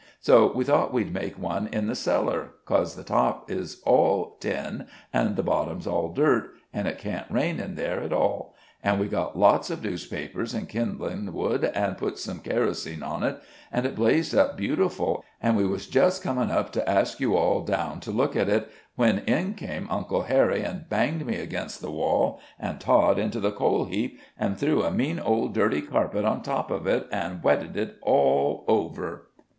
So we thought we'd make one in the cellar, 'cause the top is all tin, an' the bottom's all dirt, an' it can't rain in there at all. An' we got lots of newspapers and kindlin' wood, an' put some kerosene on it, an' it blazed up beautiful, an' we was just comin' up to ask you all down to look at it, when in came Uncle Harry, an' banged me against the wall an' Tod into the coal heap, an' threw a mean old dirty carpet on top of it, an' wet'ed it all over."